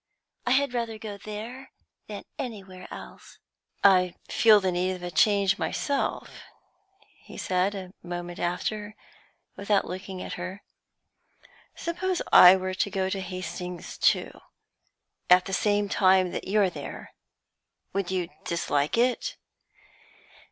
I had rather go there than anywhere else." "I feel the need of a change myself," he said, a moment after, and without looking at her. "Suppose I were to go to Hastings, too at the same time that you're there would you dislike it?"